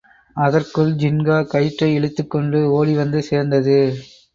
அதற்குள் ஜின்கா கயிற்றை இழுத்துக்கொண்டு ஓடிவந்து சேர்ந்தது.